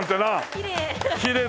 きれい。